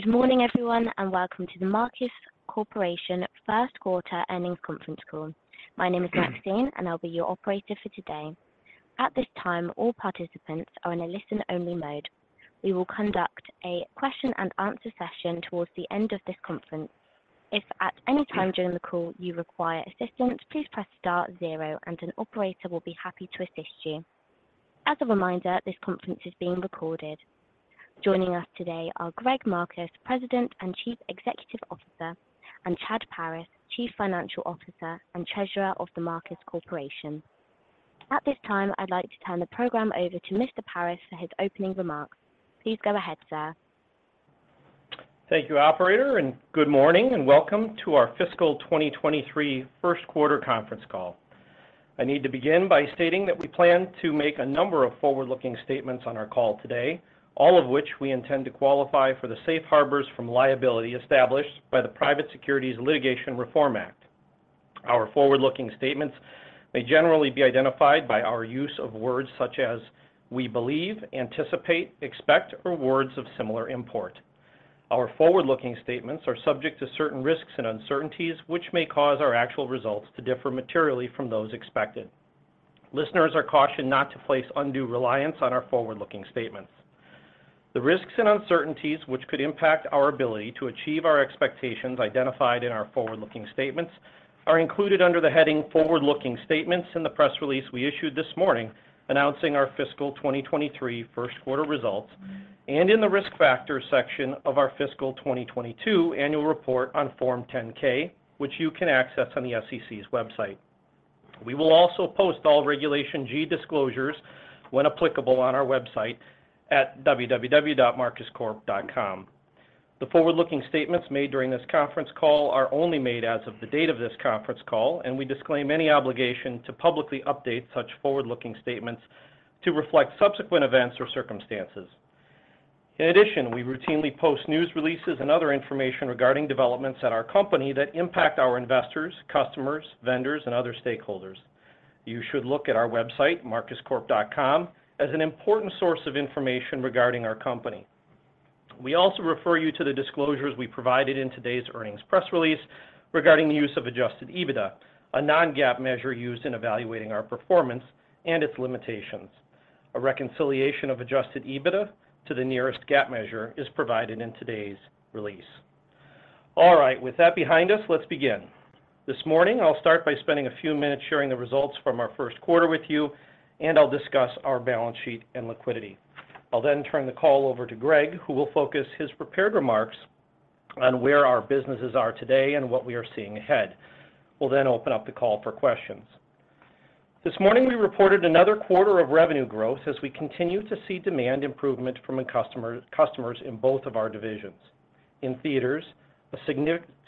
Good morning, everyone, welcome to The Marcus Corporation Q1 Earnings Conference Call. My name is Maxine, and I'll be your operator for today. At this time, all participants are in a listen-only mode. We will conduct a question and answer session towards the end of this conference. If at any time during the call you require assistance, please press * 0 and an operator will be happy to assist you. As a reminder, this conference is being recorded. Joining us today are Greg Marcus, President and Chief Executive Officer, and Chad Paris, Chief Financial Officer and Treasurer of The Marcus Corporation. At this time, I'd like to turn the program over to Mr. Paris for his opening remarks. Please go ahead, sir. Thank you, operator. Good morning and welcome to our fiscal 2023 Q1 conference call. I need to begin by stating that we plan to make a number of forward-looking statements on our call today, all of which we intend to qualify for the safe harbors from liability established by the Private Securities Litigation Reform Act. Our forward-looking statements may generally be identified by our use of words such as we believe, anticipate, expect, or words of similar import. Our forward-looking statements are subject to certain risks and uncertainties which may cause our actual results to differ materially from those expected. Listeners are cautioned not to place undue reliance on our forward-looking statements. The risks and uncertainties which could impact our ability to achieve our expectations identified in our forward-looking statements are included under the heading Forward-Looking Statements in the press release we issued this morning announcing our fiscal 2023 Q1 results and in the Risk Factors section of our fiscal 2022 annual report on Form 10-K, which you can access on the SEC's website. We will also post all Regulation G disclosures when applicable on our website at www.marcuscorp.com. The forward-looking statements made during this conference call are only made as of the date of this conference call, and we disclaim any obligation to publicly update such forward-looking statements to reflect subsequent events or circumstances. In addition, we routinely post news releases and other information regarding developments at our company that impact our investors, customers, vendors, and other stakeholders. You should look at our website, marcuscorp.com, as an important source of information regarding our company. We also refer you to the disclosures we provided in today's earnings press release regarding the use of adjusted EBITDA, a non-GAAP measure used in evaluating our performance and its limitations. A reconciliation of adjusted EBITDA to the nearest GAAP measure is provided in today's release. All right, with that behind us, let's begin. This morning, I'll start by spending a few minutes sharing the results from our Q1 with you, and I'll discuss our balance sheet and liquidity. I'll turn the call over to Greg, who will focus his prepared remarks on where our businesses are today and what we are seeing ahead. We'll open up the call for questions. This morning, we reported another quarter of revenue growth as we continue to see demand improvement from customers in both of our divisions. In theaters, a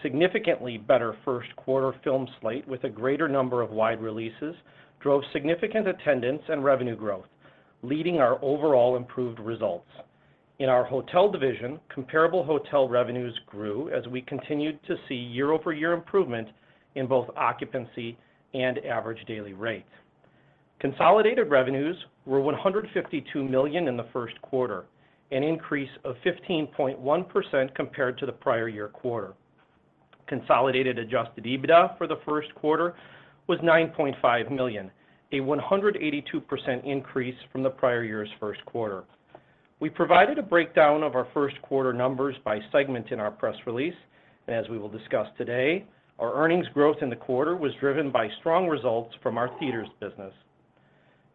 significantly better Q1 film slate with a greater number of wide releases drove significant attendance and revenue growth, leading our overall improved results. In our hotel division, comparable hotel revenues grew as we continued to see year-over-year improvement in both occupancy and average daily rates. Consolidated revenues were $152 million in the Q1, an increase of 15.1% compared to the prior year quarter. Consolidated adjusted EBITDA for the Q1 was $9.5 million, a 182% increase from the prior year's Q1. We provided a breakdown of our Q1 numbers by segment in our press release, as we will discuss today, our earnings growth in the quarter was driven by strong results from our theaters business.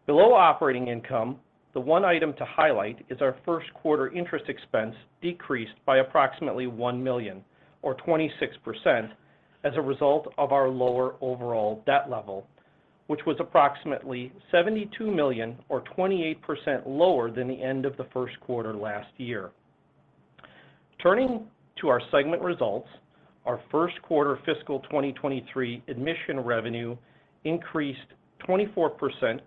Below operating income, the one item to highlight is our Q1 interest expense decreased by approximately $1 million, or 26%, as a result of our lower overall debt level, which was approximately $72 million, or 28% lower than the end of the Q1 last year. Turning to our segment results, our Q1 fiscal 2023 admission revenue increased 24%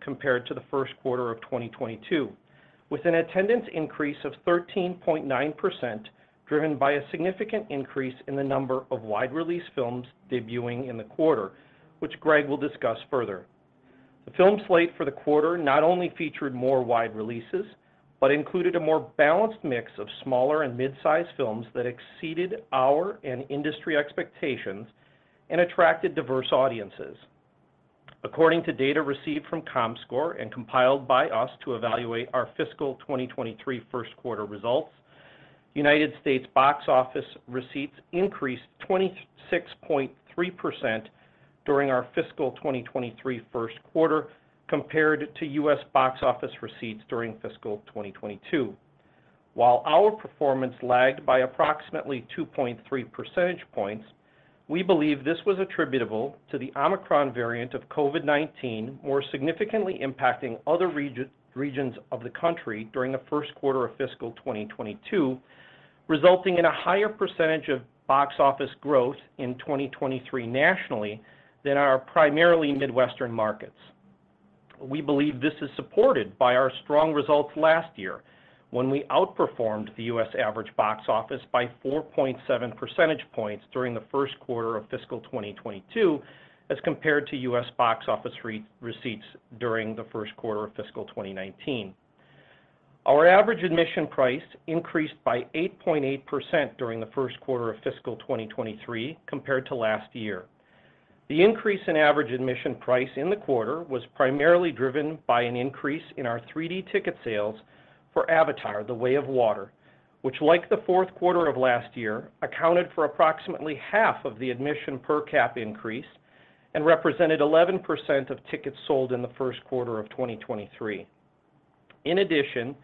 compared to the Q1 of 2022, with an attendance increase of 13.9% driven by a significant increase in the number of wide-release films debuting in the quarter, which Greg will discuss further. The film slate for the quarter not only featured more wide releases, but included a more balanced mix of smaller and mid-sized films that exceeded our and industry expectations and attracted diverse audiences. According to data received from Comscore and compiled by us to evaluate our fiscal 2023 Q1 results, United States box office receipts increased 26.3% during our fiscal 2023 Q1 compared to U.S. box office receipts during fiscal 2022. While our performance lagged by approximately 2.3 percentage points, we believe this was attributable to the Omicron variant of COVID-19 more significantly impacting other regions of the country during the Q1 of fiscal 2022, resulting in a higher percentage of box office growth in 2023 nationally than our primarily Midwestern markets. We believe this is supported by our strong results last year when we outperformed the U.S. average box office by 4.7 percentage points during the Q1 of fiscal 2022 as compared to U.S. box office receipts during the Q1 of fiscal 2019. Our average admission price increased by 8.8% during the Q1 of fiscal 2023 compared to last year. The increase in average admission price in the quarter was primarily driven by an increase in our 3-D ticket sales for Avatar: The Way of Water, which like the Q4 of last year, accounted for approximately half of the admission per cap increase and represented 11% of tickets sold in the Q1 of 2023. In addition,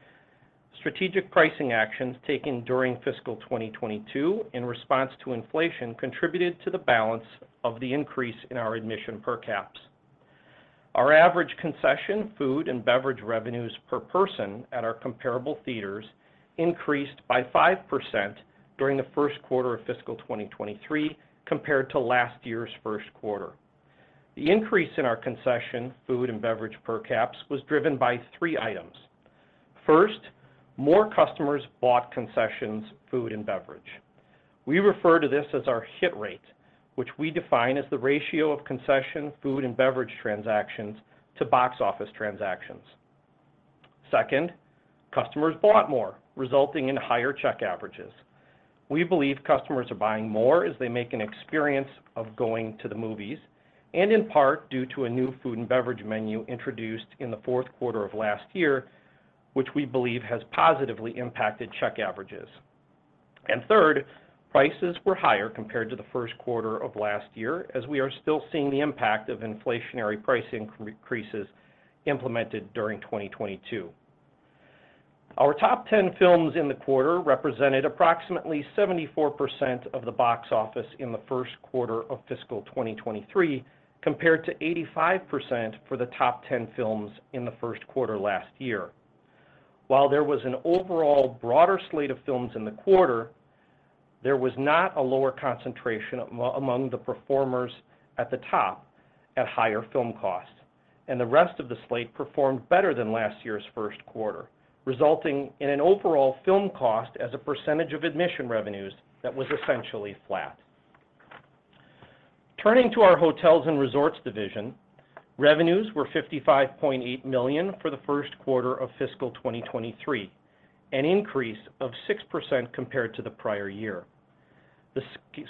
strategic pricing actions taken during fiscal 2022 in response to inflation contributed to the balance of the increase in our admission per caps. Our average concession food and beverage revenues per person at our comparable theaters increased by 5% during the Q1 of fiscal 2023 compared to last year's Q1. The increase in our concession food and beverage per caps was driven by three items. First, more customers bought concessions food and beverage. We refer to this as our hit rate, which we define as the ratio of concession food and beverage transactions to box office transactions. Second, customers bought more, resulting in higher check averages. We believe customers are buying more as they make an experience of going to the movies and in part due to a new food and beverage menu introduced in the Q4 of last year, which we believe has positively impacted check averages. Third, prices were higher compared to the Q1 of last year as we are still seeing the impact of inflationary price increases implemented during 2022. Our top 10 films in the quarter represented approximately 74% of the box office in the Q1 of fiscal 2023 compared to 85% for the top 10 films in the Q1 last year. While there was an overall broader slate of films in the quarter, there was not a lower concentration among the performers at the top at higher film costs. The rest of the slate performed better than last year's Q1, resulting in an overall film cost as a percentage of admission revenues that was essentially flat. Turning to our hotels and resorts division, revenues were $55.8 million for the Q1 of fiscal 2023, an increase of 6% compared to the prior year. The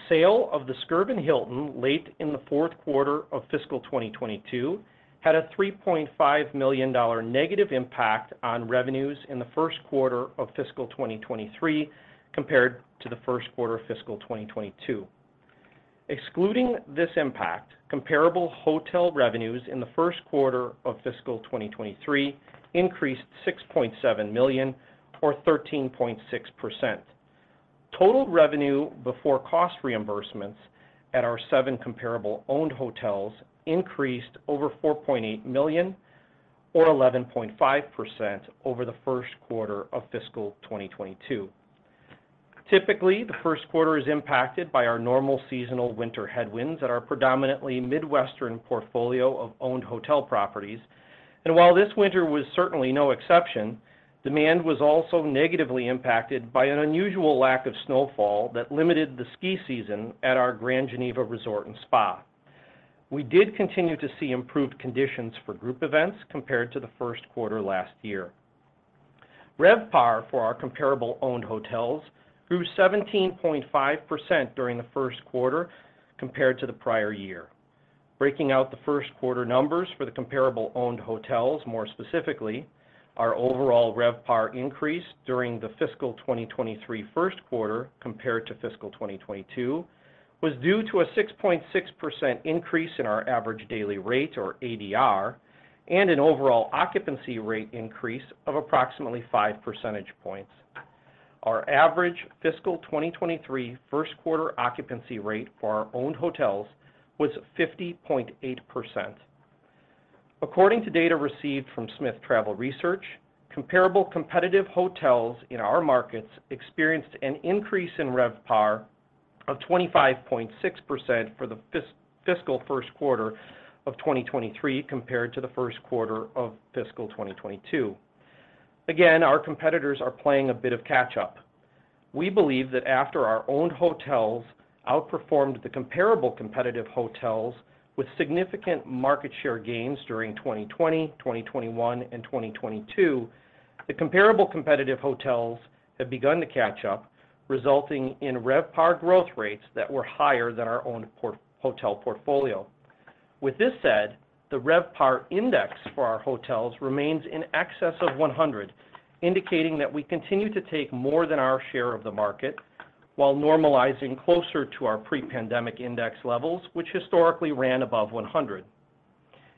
sale of the Skirvin Hilton late in the Q4 of fiscal 2022 had a $3.5 million negative impact on revenues in the Q1 of fiscal 2023 compared to the Q1 of fiscal 2022. Excluding this impact, comparable hotel revenues in the Q1 of fiscal 2023 increased $6.7 million or 13.6%. Total revenue before cost reimbursements at our seven comparable owned hotels increased over $4.8 million or 11.5% over the Q1 of fiscal 2022. Typically, the Q1 is impacted by our normal seasonal winter headwinds at our predominantly Midwestern portfolio of owned hotel properties. While this winter was certainly no exception, demand was also negatively impacted by an unusual lack of snowfall that limited the ski season at our Grand Geneva Resort & Spa. We did continue to see improved conditions for group events compared to the Q1 last year. RevPAR for our comparable owned hotels grew 17.5% during the Q1 compared to the prior year. Breaking out the Q1 numbers for the comparable owned hotels, more specifically, our overall RevPAR increase during the fiscal 2023 Q1 compared to fiscal 2022 was due to a 6.6% increase in our average daily rate or ADR and an overall occupancy rate increase of approximately 5 percentage points. Our average fiscal 2023 Q1 occupancy rate for our owned hotels was 50.8%. According to data received from Smith Travel Research, comparable competitive hotels in our markets experienced an increase in RevPAR of 25.6% for the fiscal Q1 of 2023 compared to the Q1 of fiscal 2022. Again, our competitors are playing a bit of catch up. We believe that after our owned hotels outperformed the comparable competitive hotels with significant market share gains during 2020, 2021 and 2022, the comparable competitive hotels have begun to catch up, resulting in RevPAR growth rates that were higher than our owned hotel portfolio. With this said, the RevPAR index for our hotels remains in excess of 100, indicating that we continue to take more than our share of the market while normalizing closer to our pre-pandemic index levels, which historically ran above 100.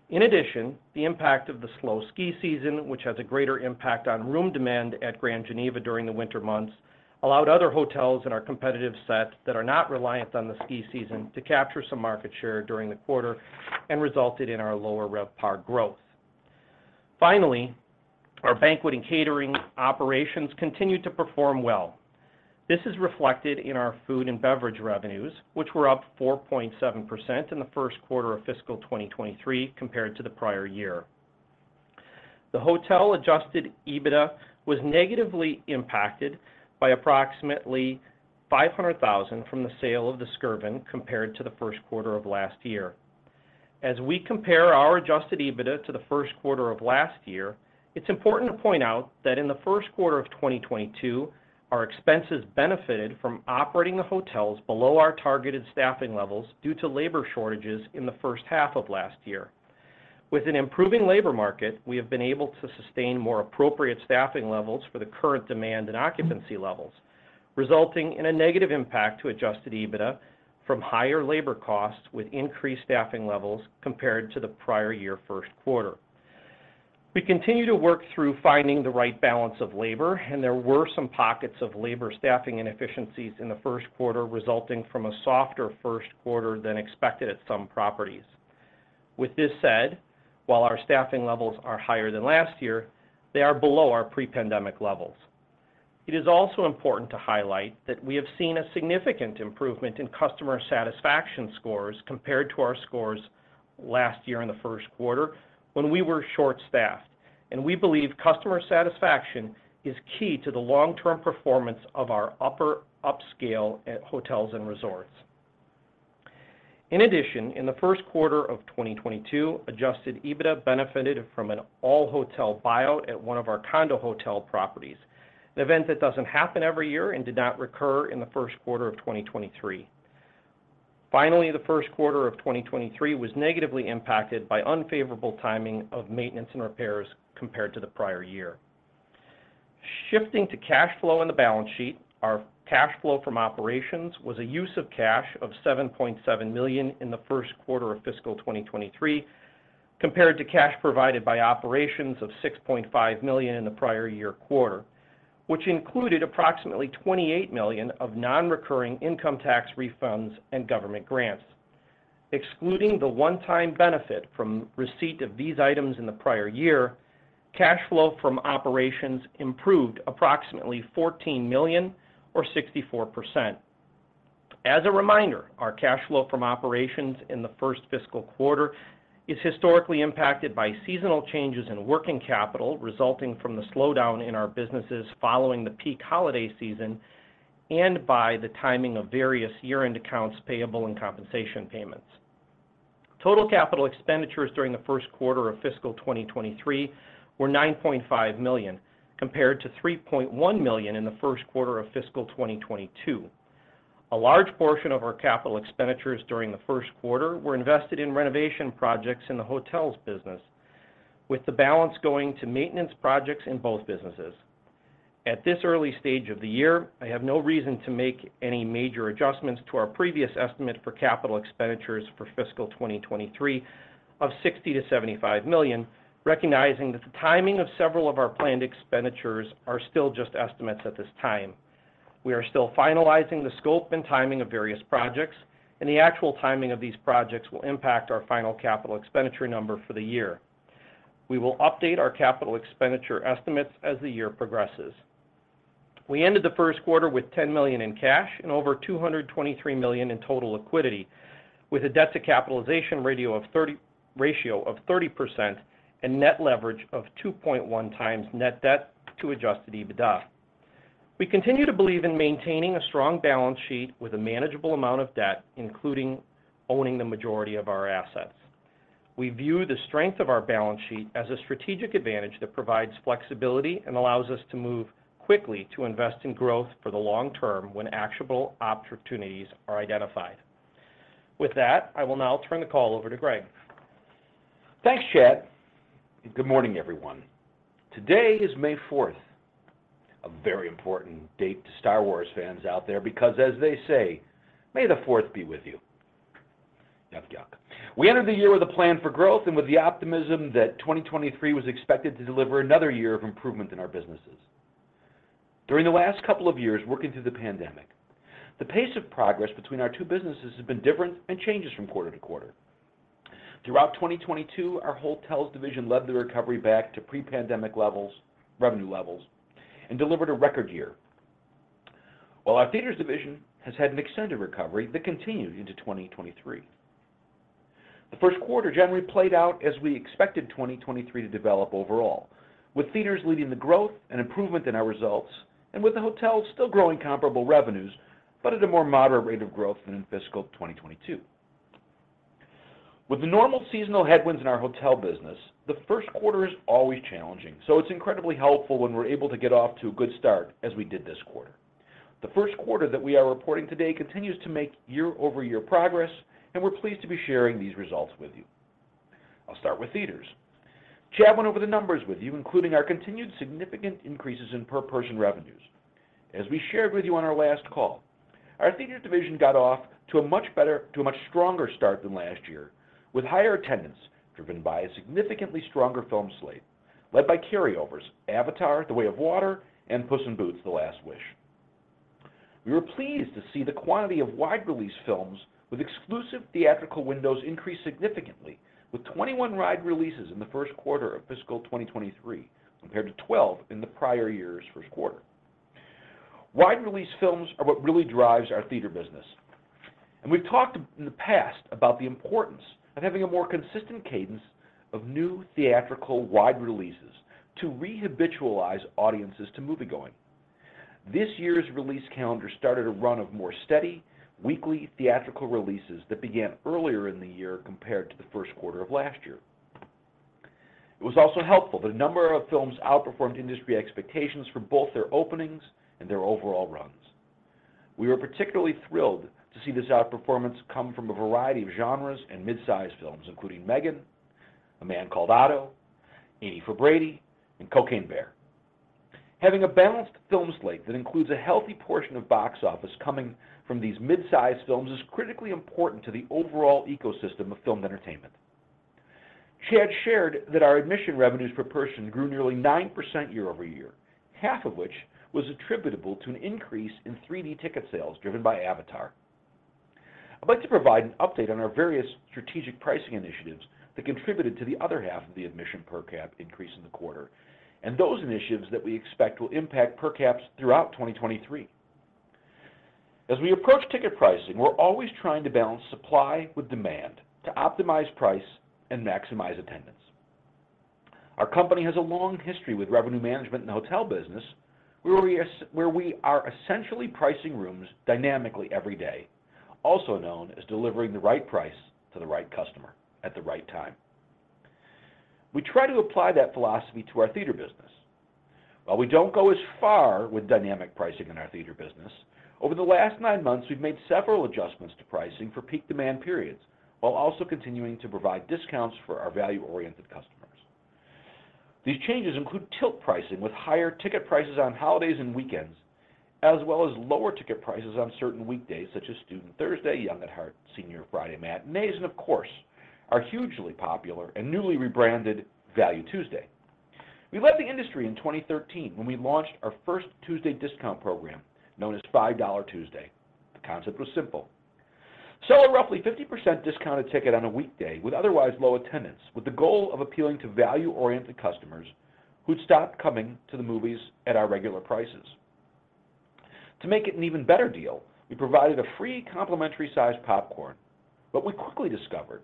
In addition, the impact of the slow ski season, which has a greater impact on room demand at Grand Geneva during the winter months, allowed other hotels in our competitive set that are not reliant on the ski season to capture some market share during the quarter and resulted in our lower RevPAR growth. Finally, our banquet and catering operations continued to perform well. This is reflected in our food and beverage revenues, which were up 4.7% in the Q1 of fiscal 2023 compared to the prior year. The hotel adjusted EBITDA was negatively impacted by approximately $500,000 from the sale of the Skirvin compared to the Q1 of last year. As we compare our adjusted EBITDA to the Q1 of last year, it's important to point out that in the Q1 of 2022, our expenses benefited from operating the hotels below our targeted staffing levels due to labor shortages in the first half of last year. With an improving labor market, we have been able to sustain more appropriate staffing levels for the current demand and occupancy levels, resulting in a negative impact to adjusted EBITDA from higher labor costs with increased staffing levels compared to the prior year Q1. We continue to work through finding the right balance of labor. There were some pockets of labor staffing inefficiencies in the Q1 resulting from a softer Q1 than expected at some properties. With this said, while our staffing levels are higher than last year, they are below our pre-pandemic levels. It is also important to highlight that we have seen a significant improvement in customer satisfaction scores compared to our scores last year in the Q1 when we were short-staffed. We believe customer satisfaction is key to the long-term performance of our upper upscale hotels and resorts. In the Q1 of 2022, adjusted EBITDA benefited from an all-hotel buyout at one of our condo hotel properties, an event that doesn't happen every year and did not recur in the Q1 of 2023. The Q1 of 2023 was negatively impacted by unfavorable timing of maintenance and repairs compared to the prior year. Shifting to cash flow in the balance sheet, our cash flow from operations was a use of cash of $7.7 million in the Q1 of fiscal 2023 compared to cash provided by operations of $6.5 million in the prior year quarter, which included approximately $28 million of non-recurring income tax refunds and government grants. Excluding the one-time benefit from receipt of these items in the prior year, cash flow from operations improved approximately $14 million or 64%. As a reminder, our cash flow from operations in the first fiscal quarter is historically impacted by seasonal changes in working capital resulting from the slowdown in our businesses following the peak holiday season and by the timing of various year-end accounts payable and compensation payments. Total capital expenditures during the Q1 of fiscal 2023 were $9.5 million compared to $3.1 million in the Q1 of fiscal 2022. A large portion of our capital expenditures during the Q1 were invested in renovation projects in the hotels business, with the balance going to maintenance projects in both businesses. At this early stage of the year, I have no reason to make any major adjustments to our previous estimate for capital expenditures for fiscal 2023 of $60 - $75 million, recognizing that the timing of several of our planned expenditures are still just estimates at this time. We are still finalizing the scope and timing of various projects, and the actual timing of these projects will impact our final capital expenditure number for the year. We will update our capital expenditure estimates as the year progresses. We ended the Q1 with $10 million in cash and over $223 million in total liquidity, with a debt-to-capitalization ratio of 30% and net leverage of 2.1 times net debt to adjusted EBITDA. We continue to believe in maintaining a strong balance sheet with a manageable amount of debt, including owning the majority of our assets. We view the strength of our balance sheet as a strategic advantage that provides flexibility and allows us to move quickly to invest in growth for the long term when actionable opportunities are identified. With that, I will now turn the call over to Greg. Thanks, Chad, and good morning, everyone. Today is May 4th, a very important date to Star Wars fans out there because as they say, "May the fourth be with you.". We entered the year with a plan for growth and with the optimism that 2023 was expected to deliver another year of improvement in our businesses. During the last couple of years working through the pandemic, the pace of progress between our two businesses has been different and changes from quarter to quarter. Throughout 2022, our hotels division led the recovery back to pre-pandemic levels, revenue levels, and delivered a record year. Our theaters division has had an extended recovery that continued into 2023. The Q1 generally played out as we expected 2023 to develop overall, with theaters leading the growth and improvement in our results, with the hotels still growing comparable revenues, at a more moderate rate of growth than in fiscal 2022. With the normal seasonal headwinds in our hotel business, the Q1 is always challenging, it's incredibly helpful when we're able to get off to a good start as we did this quarter. The Q1 that we are reporting today continues to make year-over-year progress, we're pleased to be sharing these results with you. I'll start with theaters. Chad went over the numbers with you, including our continued significant increases in per person revenues. As we shared with you on our last call, our theaters division got off to a much stronger start than last year, with higher attendance driven by a significantly stronger film slate led by carryovers Avatar: The Way of Water and Puss in Boots: The Last Wish. We were pleased to see the quantity of wide-release films with exclusive theatrical windows increase significantly, with 21 wide releases in the Q1 of fiscal 2023, compared to 12 in the prior year's Q1. Wide-release films are what really drives our theater business. We've talked in the past about the importance of having a more consistent cadence of new theatrical wide releases to re-habitualize audiences to moviegoing. This year's release calendar started a run of more steady weekly theatrical releases that began earlier in the year compared to the Q1 of last year. It was also helpful that a number of films outperformed industry expectations for both their openings and their overall runs. We were particularly thrilled to see this outperformance come from a variety of genres and mid-size films, including M3GAN, A Man Called Otto, 80 for Brady, and Cocaine Bear. Having a balanced film slate that includes a healthy portion of box office coming from these mid-size films is critically important to the overall ecosystem of film entertainment. Chad shared that our admission revenues per person grew nearly 9% year-over-year, half of which was attributable to an increase in 3D ticket sales driven by Avatar. I'd like to provide an update on our various strategic pricing initiatives that contributed to the other half of the admission per cap increase in the quarter, and those initiatives that we expect will impact per caps throughout 2023. As we approach ticket pricing, we're always trying to balance supply with demand to optimize price and maximize attendance. Our company has a long history with revenue management in the hotel business, where we are essentially pricing rooms dynamically every day, also known as delivering the right price to the right customer at the right time. We try to apply that philosophy to our theater business. While we don't go as far with dynamic pricing in our theater business, over the last nine months we've made several adjustments to pricing for peak demand periods, while also continuing to provide discounts for our value-oriented customers. These changes include tilt pricing with higher ticket prices on holidays and weekends, as well as lower ticket prices on certain weekdays such as Student Thursdays, Young at Heart, Senior Friday Matinees, and of course, our hugely popular and newly rebranded Value Tuesday. We led the industry in 2013 when we launched our first Tuesday discount program known as Five Dollar Tuesday. The concept was simple: sell a roughly 50% discounted ticket on a weekday with otherwise low attendance, with the goal of appealing to value-oriented customers who'd stopped coming to the movies at our regular prices. To make it an even better deal, we provided a free complimentary sized popcorn. What we quickly discovered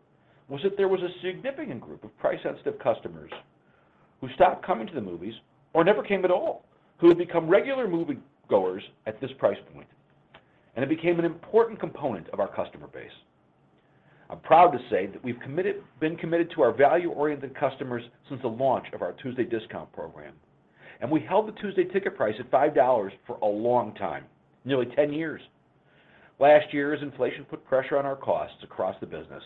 was that there was a significant group of price-sensitive customers who stopped coming to the movies or never came at all, who had become regular moviegoers at this price point, and it became an important component of our customer base. I'm proud to say that we've been committed to our value-oriented customers since the launch of our Tuesday discount program. We held the Tuesday ticket price at $5 for a long time, nearly 10 years. Last year, as inflation put pressure on our costs across the business,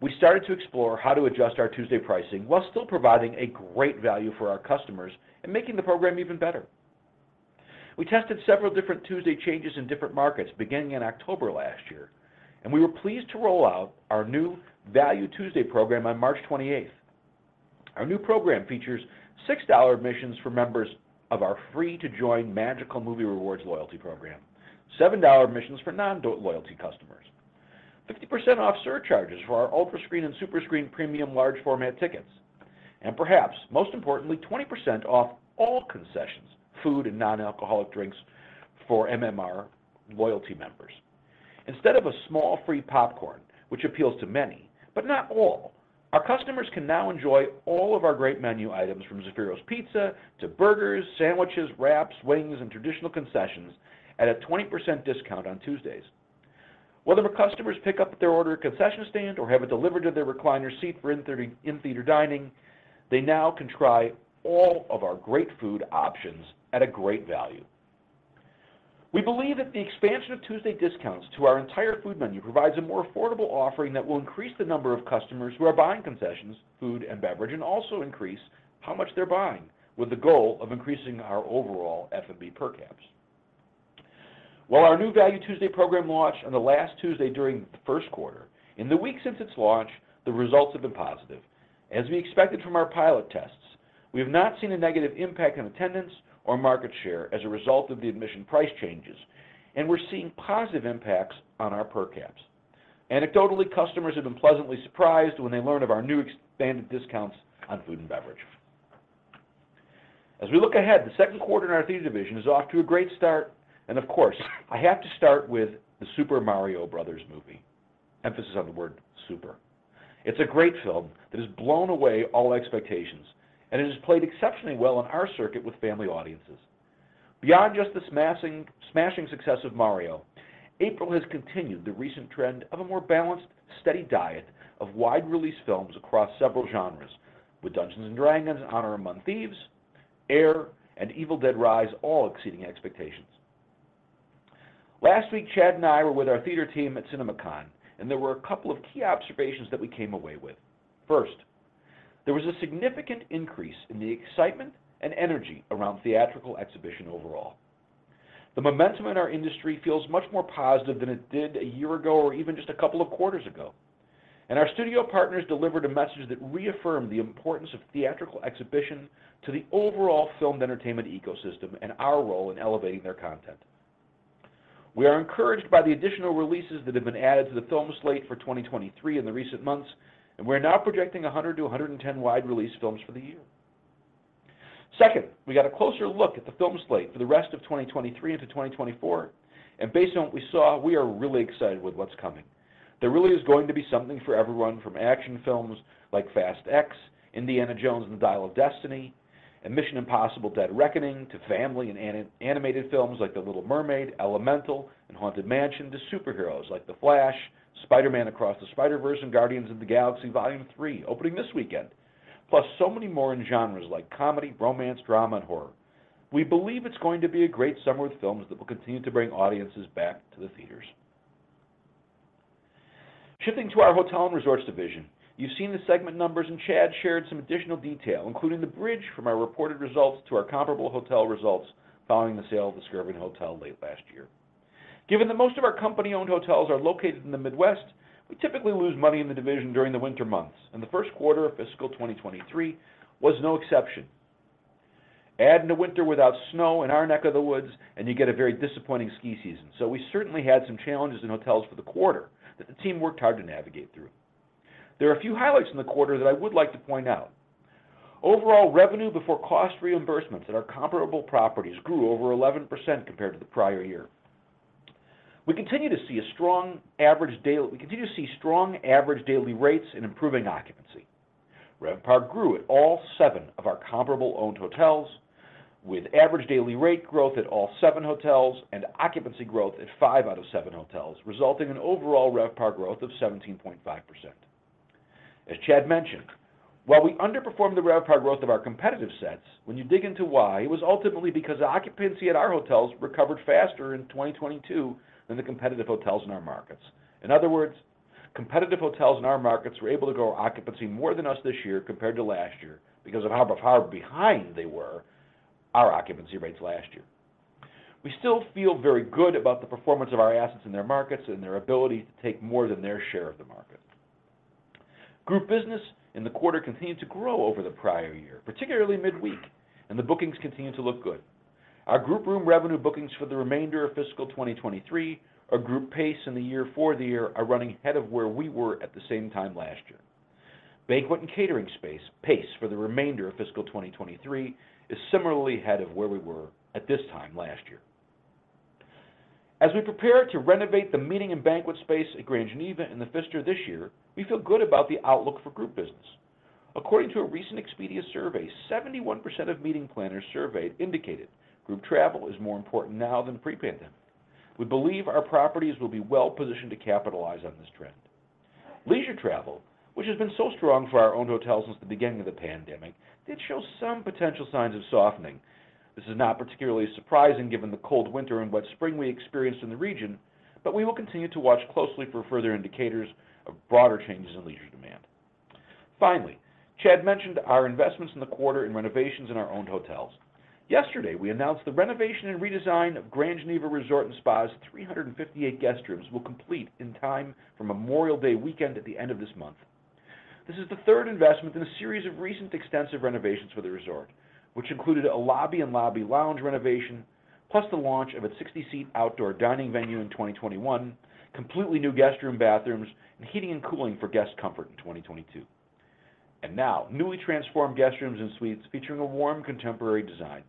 we started to explore how to adjust our Tuesday pricing while still providing a great value for our customers and making the program even better. We tested several different Tuesday changes in different markets beginning in October last year. We were pleased to roll out our new Value Tuesday program on March 28th. Our new program features $6 admissions for members of our free-to-join Magical Movie Rewards loyalty program, $7 admissions for non-loyalty customers, 50% off surcharges for our UltraScreen and SuperScreen premium large format tickets, and perhaps most importantly, 20% off all concessions, food and non-alcoholic drinks for MMR loyalty members. Instead of a small free popcorn, which appeals to many but not all, our customers can now enjoy all of our great menu items from Zaffiro's Pizza to burgers, sandwiches, wraps, wings, and traditional concessions at a 20% discount on Tuesdays. Whether customers pick up their order at a concession stand or have it delivered to their recliner seat for in theater dining, they now can try all of our great food options at a great value. We believe that the expansion of Tuesday discounts to our entire food menu provides a more affordable offering that will increase the number of customers who are buying concessions, food and beverage, and also increase how much they're buying, with the goal of increasing our overall F&B per caps. While our new Value Tuesday program launched on the last Tuesday during the Q1, in the weeks since its launch, the results have been positive. As we expected from our pilot tests, we have not seen a negative impact on attendance or market share as a result of the admission price changes, and we're seeing positive impacts on our per caps. Anecdotally, customers have been pleasantly surprised when they learn of our new expanded discounts on food and beverage. As we look ahead, the Q2 in our theater division is off to a great start. Of course, I have to start with the Super Mario Bros. Movie. Emphasis on the word super. It's a great film that has blown away all expectations. It has played exceptionally well in our circuit with family audiences. Beyond just the smashing success of Mario, April has continued the recent trend of a more balanced, steady diet of wide release films across several genres with Dungeons & Dragons: Honor Among Thieves, Air, and Evil Dead Rise all exceeding expectations. Last week, Chad and I were with our theater team at CinemaCon. There were a couple of key observations that we came away with. First, there was a significant increase in the excitement and energy around theatrical exhibition overall. The momentum in our industry feels much more positive than it did a year ago or even just a couple of quarters ago. Our studio partners delivered a message that reaffirmed the importance of theatrical exhibition to the overall filmed entertainment ecosystem and our role in elevating their content. We are encouraged by the additional releases that have been added to the film slate for 2023 in the recent months, and we're now projecting 100-110 wide release films for the year. Second, we got a closer look at the film slate for the rest of 2023 into 2024, and based on what we saw, we are really excited with what's coming. There really is going to be something for everyone from action films like Fast X, Indiana Jones and the Dial of Destiny, and Mission: Impossible – Dead Reckoning, to family and animated films like The Little Mermaid, Elemental, and Haunted Mansion, to superheroes like The Flash, Spider-Man: Across the Spider-Verse, and Guardians of the Galaxy Volume 3, opening this weekend, plus so many more in genres like comedy, romance, drama, and horror. We believe it's going to be a great summer with films that will continue to bring audiences back to the theaters. Shifting to our hotel and resorts division. You've seen the segment numbers, and Chad shared some additional detail, including the bridge from our reported results to our comparable hotel results following the sale of the Skirvin Hotel late last year. Given that most of our company-owned hotels are located in the Midwest, we typically lose money in the division during the winter months, and the Q1 of fiscal 2023 was no exception. Add in a winter without snow in our neck of the woods, and you get a very disappointing ski season. We certainly had some challenges in hotels for the quarter that the team worked hard to navigate through. There are a few highlights in the quarter that I would like to point out. Overall revenue before cost reimbursements at our comparable properties grew over 11% compared to the prior year. We continue to see strong average daily rates and improving occupancy. RevPAR grew at all seven of our comparable owned hotels, with average daily rate growth at all seven hotels and occupancy growth at five out of seven hotels, resulting in overall RevPAR growth of 17.5%. As Chad mentioned, while we underperformed the RevPAR growth of our competitive sets, when you dig into why, it was ultimately because occupancy at our hotels recovered faster in 2022 than the competitive hotels in our markets. In other words, competitive hotels in our markets were able to grow occupancy more than us this year compared to last year because of how behind they were our occupancy rates last year. We still feel very good about the performance of our assets in their markets and their ability to take more than their share of the market. Group business in the quarter continued to grow over the prior year, particularly midweek, and the bookings continue to look good. Our group room revenue bookings for the remainder of fiscal 2023, our group pace in the year for the year are running ahead of where we were at the same time last year. Banquet and catering space pace for the remainder of fiscal 2023 is similarly ahead of where we were at this time last year. As we prepare to renovate the meeting and banquet space at Grand Geneva and The Pfister this year, we feel good about the outlook for group business. According to a recent Expedia survey, 71% of meeting planners surveyed indicated group travel is more important now than pre-pandemic. We believe our properties will be well positioned to capitalize on this trend. Leisure travel, which has been so strong for our owned hotels since the beginning of the pandemic, did show some potential signs of softening. This is not particularly surprising given the cold winter and wet spring we experienced in the region, but we will continue to watch closely for further indicators of broader changes in leisure demand. Chad mentioned our investments in the quarter in renovations in our owned hotels. Yesterday, we announced the renovation and redesign of Grand Geneva Resort & Spa's 358 guest rooms will complete in time for Memorial Day weekend at the end of this month. This is the third investment in a series of recent extensive renovations for the resort, which included a lobby and lobby lounge renovation, plus the launch of its 60-seat outdoor dining venue in 2021, completely new guest room bathrooms, and heating and cooling for guest comfort in 2022. Now, newly transformed guest rooms and suites featuring a warm contemporary design.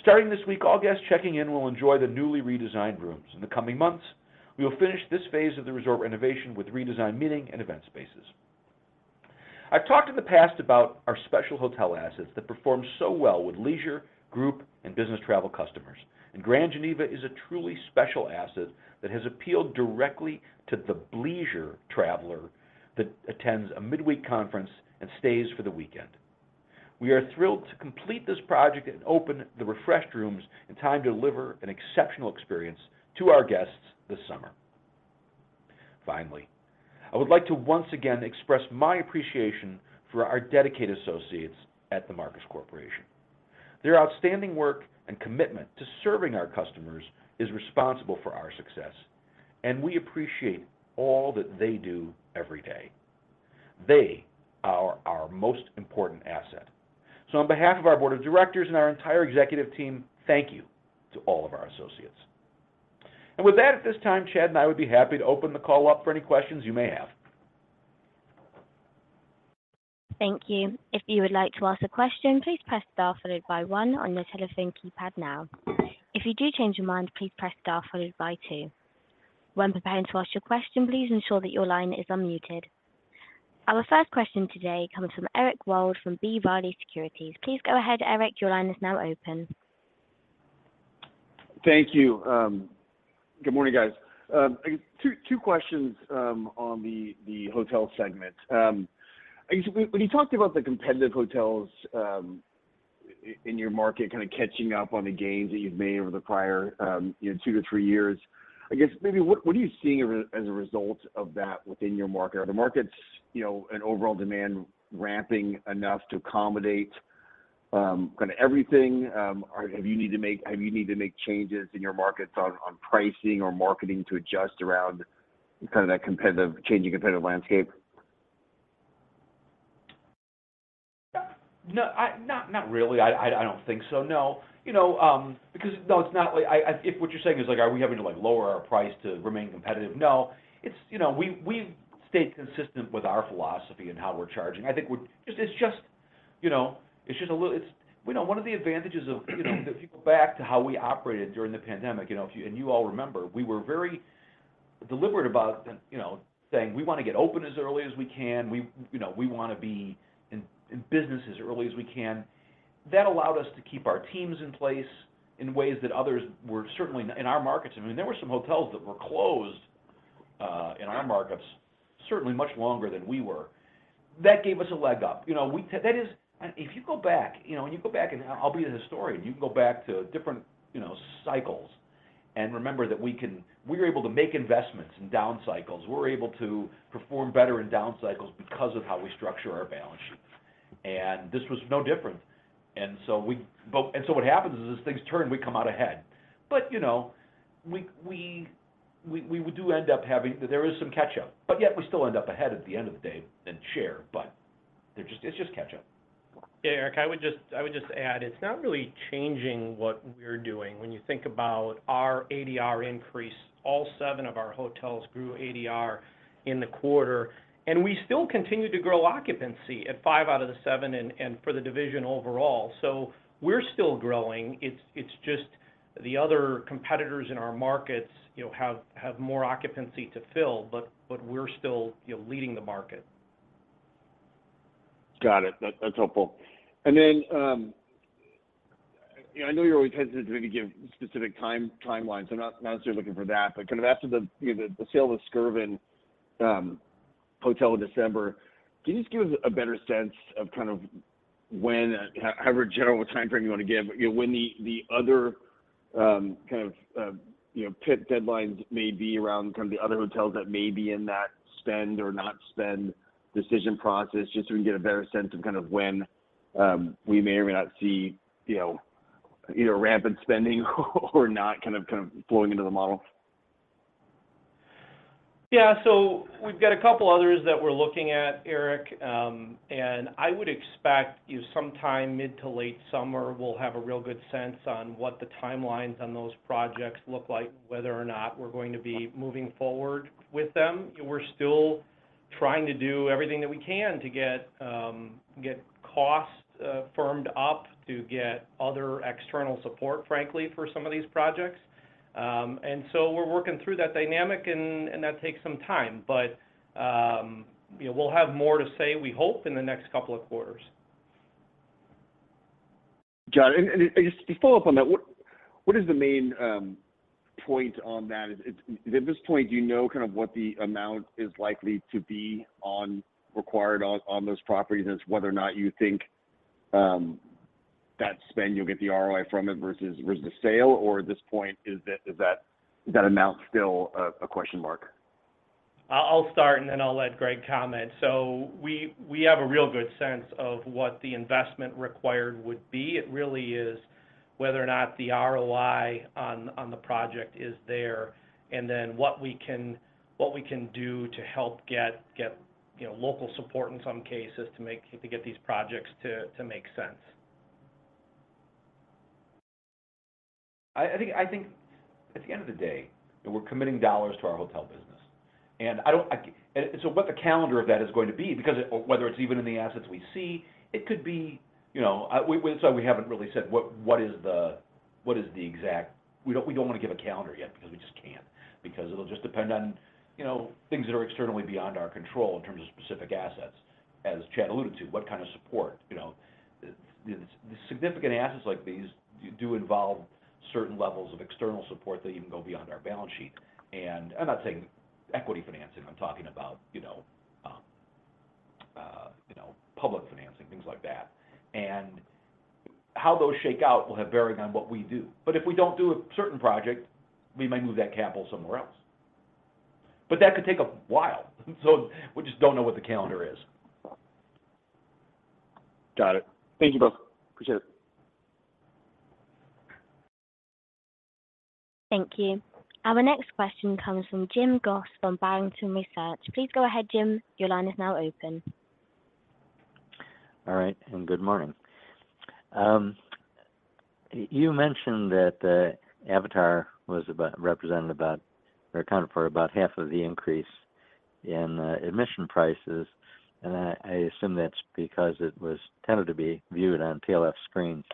Starting this week, all guests checking in will enjoy the newly redesigned rooms. In the coming months, we will finish this phase of the resort renovation with redesigned meeting and event spaces. I've talked in the past about our special hotel assets that perform so well with leisure, group, and business travel customers, and Grand Geneva is a truly special asset that has appealed directly to the bleisure traveler that attends a midweek conference and stays for the weekend. We are thrilled to complete this project and open the refreshed rooms in time to deliver an exceptional experience to our guests this summer. Finally, I would like to once again express my appreciation for our dedicated associates at The Marcus Corporation. Their outstanding work and commitment to serving our customers is responsible for our success, and we appreciate all that they do every day. They are our most important asset. On behalf of our board of directors and our entire executive team, thank you to all of our associates. With that, at this time, Chad and I would be happy to open the call up for any questions you may have. Thank you. If you would like to ask a question, please press star followed by one on your telephone keypad now. If you do change your mind, please press star followed by two. When preparing to ask your question, please ensure that your line is unmuted. Our first question today comes from Eric Wold from B. Riley Securities. Please go ahead, Eric. Your line is now open. Thank you. Good morning, guys. 2 questions on the hotel segment. I guess when you talked about the competitive hotels, in your market kind of catching up on the gains that you've made over the prior, you know, 2 to 3 years, I guess maybe what are you seeing as a result of that within your market? Are the markets, you know, and overall demand ramping enough to accommodate, kind of everything? Have you needed to make changes in your markets on pricing or marketing to adjust around kind of that competitive, changing competitive landscape? No. Not really. I don't think so, no. You know, because. No, it's not like. If what you're saying is like, are we having to like, lower our price to remain competitive? No. It's, you know, we've stayed consistent with our philosophy and how we're charging. I think it's just, you know, a little. It's, you know, one of the advantages of, you know, if you go back to how we operated during the pandemic, you know, you all remember, we were very deliberate about, you know, saying, "We wanna get open as early as we can. We, you know, we wanna be in business as early as we can." That allowed us to keep our teams in place in ways that others were certainly not in our markets. I mean, there were some hotels that were closed in our markets certainly much longer than we were. That gave us a leg up. You know, that is. If you go back, you know, when you go back, and I'll be the historian, you can go back to different, you know, cycles and remember that we're able to make investments in down cycles. We're able to perform better in down cycles because of how we structure our balance sheets, and this was no different. What happens is, as things turn, we come out ahead. You know, we do end up having. There is some catch-up. Yet we still end up ahead at the end of the day in share, it's just catch-up. Eric, I would just add, it's not really changing what we're doing. When you think about our ADR increase, all seven of our hotels grew ADR in the quarter, and we still continued to grow occupancy at five out of the seven and for the division overall. We're still growing. It's just the other competitors in our markets, you know, have more occupancy to fill. We're still, you know, leading the market. Got it. That's helpful. Then, you know, I know you're always hesitant to maybe give specific timelines, so I'm not necessarily looking for that. Kind of after the, you know, the sale of the Skirvin hotel in December, can you just give us a better sense of kind of when, however general of a timeframe you wanna give, you know, when the other, kind of, you know, pit deadlines may be around kind of the other hotels that may be in that spend or not spend decision process, just so we can get a better sense of kind of when, we may or may not see, you know, either rampant spending or not kind of flowing into the model? Yeah. We've got a couple others that we're looking at, Eric. I would expect, you know, sometime mid to late summer we'll have a real good sense on what the timelines on those projects look like, whether or not we're going to be moving forward with them. We're still trying to do everything that we can to get costs firmed up, to get other external support, frankly, for some of these projects. We're working through that dynamic and that takes some time. You know, we'll have more to say, we hope, in the next couple of quarters. Got it. Just to follow up on that, what is the main point on that? At this point, do you know kind of what the amount is likely to be required on those properties, and it's whether or not you think that spend, you'll get the ROI from it versus the sale? At this point, is that amount still a question mark? I'll start. I'll let Greg comment. We have a real good sense of what the investment required would be. It really is whether or not the ROI on the project is there and what we can do to help get, you know, local support in some cases to get these projects to make sense. I think at the end of the day, you know, we're committing dollars to our hotel business. What the calendar of that is going to be, or whether it's even in the assets we see, it could be, you know. We haven't really said what is the exact. We don't wanna give a calendar yet because we just can't. It'll just depend on, you know, things that are externally beyond our control in terms of specific assets, as Chad alluded to. What kind of support, you know? The significant assets like these do involve certain levels of external support that even go beyond our balance sheet. I'm not saying equity financing. I'm talking about, you know, public financing, things like that. How those shake out will have bearing on what we do. If we don't do a certain project, we might move that capital somewhere else. That could take a while, so we just don't know what the calendar is. Got it. Thank you both. Appreciate it. Thank you. Our next question comes from James Goss from Barrington Research. Please go ahead, James. Your line is now open. All right, good morning. You mentioned that the Avatar represented about or accounted for about half of the increase in admission prices. I assume that's because it was tended to be viewed on PLF screens.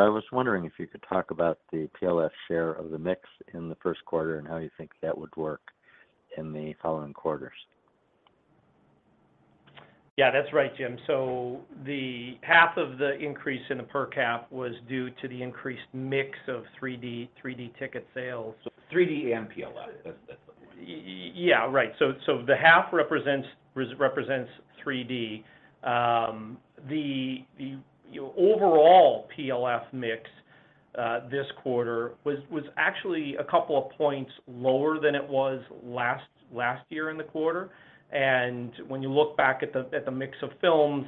I was wondering if you could talk about the PLF share of the mix in the Q1 and how you think that would work in the following quarters. Yeah. That's right, James. The half of the increase in the per capita was due to the increased mix of 3D ticket sales. 3D and PLF. That's the point. Yeah. Right. The half represents 3D. The, you know, overall PLF mix this quarter was actually a couple of points lower than it was last year in the quarter. When you look back at the mix of films,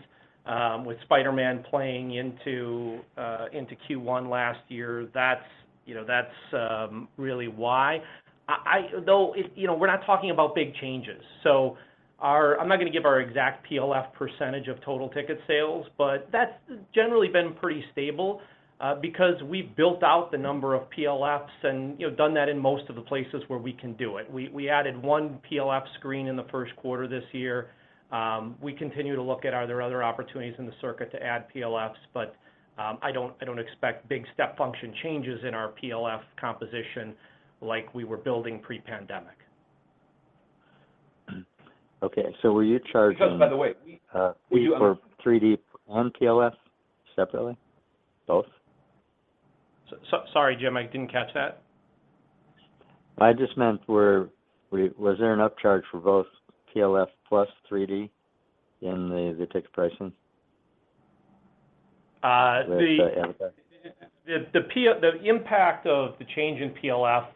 with Spider-Man playing into Q1 last year, that's, you know, really why. Though it, you know, we're not talking about big changes. Our, I'm not gonna give our exact PLF percentage of total ticket sales, but that's generally been pretty stable because we've built out the number of PLFs and, you know, done that in most of the places where we can do it. We added one PLF screen in the Q1 this year. We continue to look at are there other opportunities in the circuit to add PLFs, I don't expect big step function changes in our PLF composition like we were building pre-pandemic. Okay. Were you charging- by the way, we... You were 3D on PLF separately? Both? Sorry, James, I didn't catch that. I just meant was there an upcharge for both PLF plus 3D in the ticket pricing? Uh, the- Should I ask? The impact of the change in PLF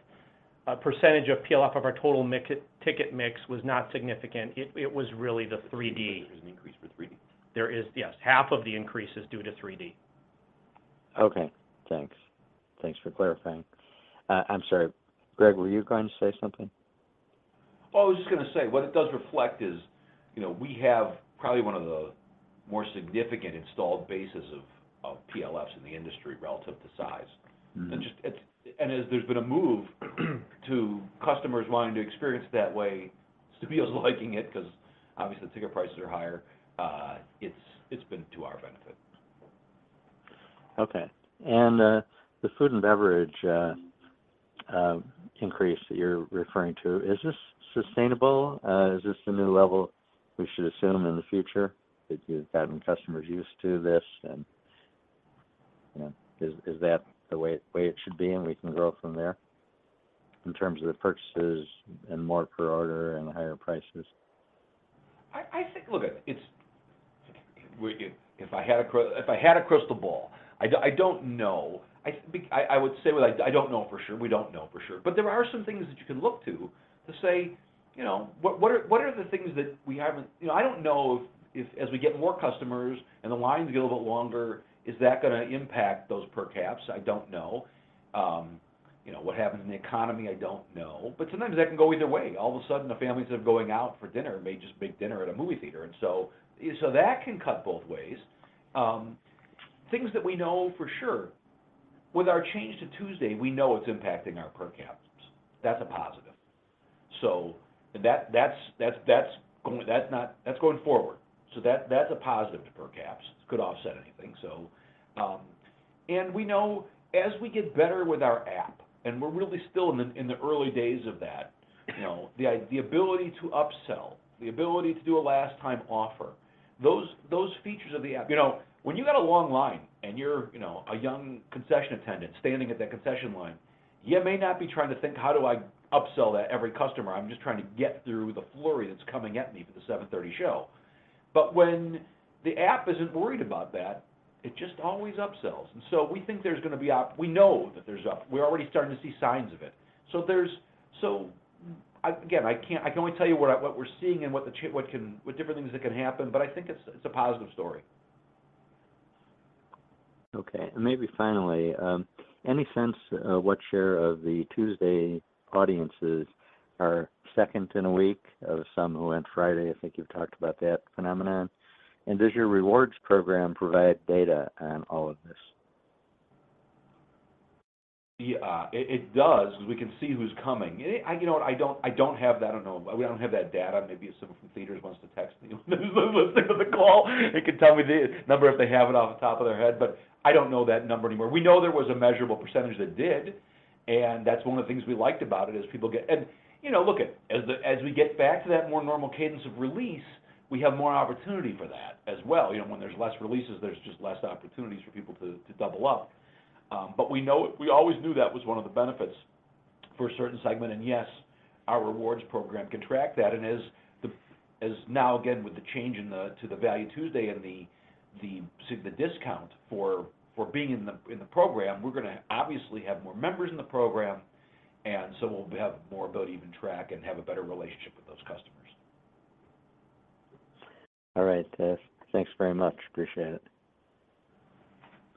percentage of PLF of our total ticket mix was not significant. It was really the 3D. There's an increase for 3D. There is, yes. Half of the increase is due to 3D. Okay. Thanks. Thanks for clarifying. I'm sorry, Greg, were you going to say something? Oh, I was just gonna say, what it does reflect is, you know, we have probably one of the more significant installed bases of PLFs in the industry relative to size. Mm-hmm. As there's been a move to customers wanting to experience that way, studios liking it, 'cause obviously the ticket prices are higher, it's been to our benefit. Okay. The food and beverage increase that you're referring to, is this sustainable? Is this the new level we should assume in the future if you've gotten customers used to this and, you know, is that the way it should be and we can grow from there in terms of the purchases and more per order and higher prices? I think, look, it's. If I had a crystal ball, I don't know. I would say what I don't know for sure, we don't know for sure. There are some things that you can look to to say, you know, what are the things that we haven't? You know, I don't know if as we get more customers and the lines get a little bit longer, is that gonna impact those per caps? I don't know. You know, what happens in the economy, I don't know. Sometimes that can go either way. All of a sudden the families that are going out for dinner may just make dinner at a movie theater, so that can cut both ways. Things that we know for sure, with our change to Tuesday, we know it's impacting our per caps. That's a positive. That's going forward. That's a positive to per caps, could offset anything so. We know as we get better with our app, and we're really still in the, in the early days of that, you know, the ability to upsell, the ability to do a last time offer, those features of the app. You know, when you got a long line and you're, you know, a young concession attendant standing at that concession line, you may not be trying to think, "How do I upsell that every customer? I'm just trying to get through the flurry that's coming at me for the 7:30 show. When the app isn't worried about that, it just always upsells. We think there's gonna be op- we know that there's op- we're already starting to see signs of it. There's, so again, I can't, I can only tell you what I, what we're seeing and what can, what different things that can happen, but I think it's a positive story. Okay. Maybe finally, any sense, what share of the Tuesday audiences are second in a week of some who went Friday? I think you've talked about that phenomenon. Does your rewards program provide data on all of this? Yeah. It does, because we can see who's coming. You know what, I don't, I don't have that. I don't know, we don't have that data. Maybe if someone from theaters wants to text me listening to the call and can tell me the number if they have it off the top of their head, but I don't know that number anymore. We know there was a measurable percentage that did, and that's one of the things we liked about it is people get, you know, look it, as we get back to that more normal cadence of release, we have more opportunity for that as well. You know, when there's less releases, there's just less opportunities for people to double up. We know, we always knew that was one of the benefits for a certain segment. Yes, our rewards program can track that. As now, again, with the change in the, to the Value Tuesday and the discount for being in the program, we're gonna obviously have more members in the program, and so we'll have more ability to track and have a better relationship with those customers. All right. Thanks very much. Appreciate it.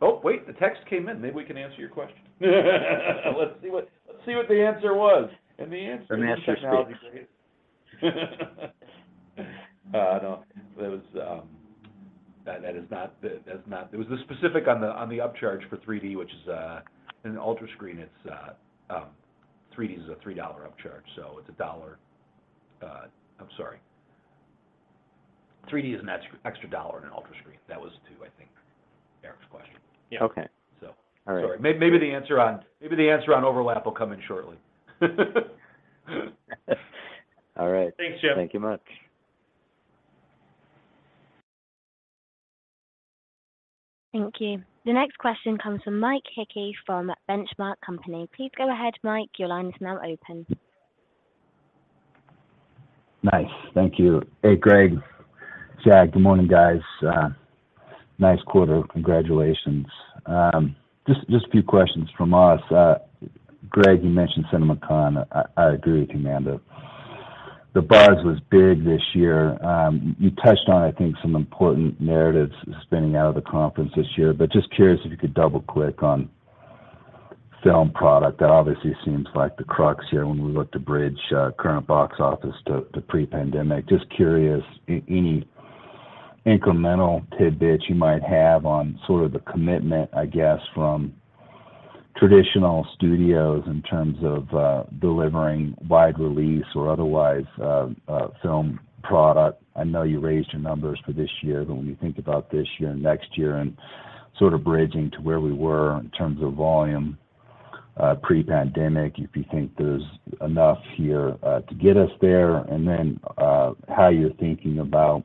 Oh wait, the text came in. Maybe we can answer your question. Let's see what the answer was. The answer is. Let me ask this now. No. That was, that is not the, that's not... It was the specific on the, on the upcharge for 3D, which is, in an UltraScreen it's, 3D is a $3 upcharge, so it's a $1. I'm sorry. 3D is an extra $1 in an UltraScreen. That was to, I think, Eric's question. Yeah. Okay. So. All right. Sorry. maybe the answer on overlap will come in shortly. All right. Thanks, James. Thank you much. Thank you. The next question comes from Mike Hickey from The Benchmark Company. Please go ahead, Mike. Your line is now open. Nice. Thank you. Hey, Greg, Chad. Good morning, guys. Nice quarter. Congratulations. Just a few questions from us. Greg, you mentioned CinemaCon. I agree with you, man. The bars was big this year. You touched on, I think, some important narratives spinning out of the conference this year, but just curious if you could double-click on film product. That obviously seems like the crux here when we look to bridge current box office to pre-pandemic. Just curious, any incremental tidbit you might have on sort of the commitment, I guess, from traditional studios in terms of delivering wide release or otherwise film product. I know you raised your numbers for this year, but when you think about this year and next year and sort of bridging to where we were in terms of volume pre-pandemic, if you think there's enough here to get us there, and then how you're thinking about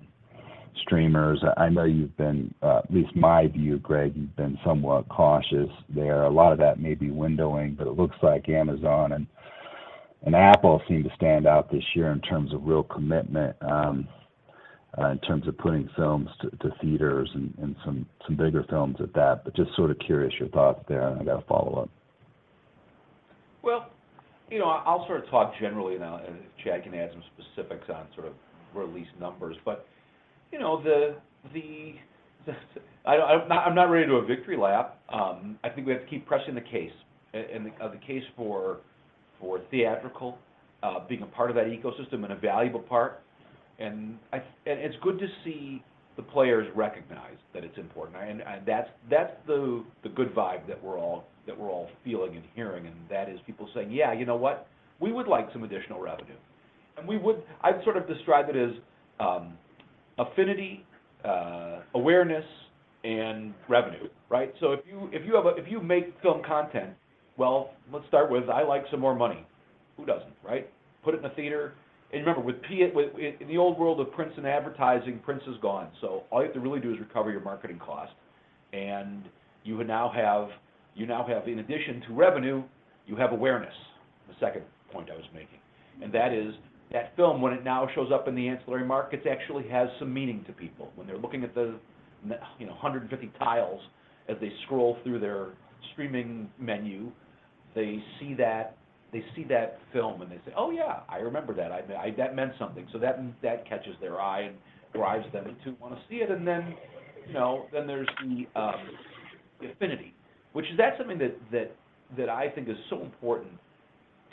streamers. I know you've been, at least my view, Greg, you've been somewhat cautious there. A lot of that may be windowing, but it looks like Amazon and Apple seem to stand out this year in terms of real commitment in terms of putting films to theaters and some bigger films at that. Just sort of curious your thoughts there, and I got a follow-up. Well, you know, I'll sort of talk generally now, and if Chad can add some specifics on sort of release numbers. You know, the I'm not ready to do a victory lap. I think we have to keep pressing the case and the case for theatrical being a part of that ecosystem and a valuable part. It's good to see the players recognize that it's important, and that's the good vibe that we're all feeling and hearing, and that is people saying, "Yeah, you know what? We would like some additional revenue." I'd sort of describe it as affinity, awareness, and revenue, right? If you make film content, well, let's start with, I'd like some more money. Who doesn't, right? Put it in the theater. Remember, with, in the old world of prints and advertising, prints is gone. All you have to really do is recover your marketing cost, you now have, in addition to revenue, you have awareness, the second point I was making. That is, that film, when it now shows up in the ancillary markets, actually has some meaning to people. When they're looking at the you know, 150 tiles as they scroll through their streaming menu, they see that film, and they say, "Oh yeah, I remember that. That meant something. That catches their eye and drives them to want to see it. Then, you know, then there's the affinity, that's something that I think is so important